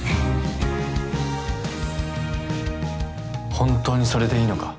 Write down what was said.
本当にそれでいいのか？